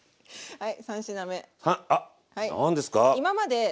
はい。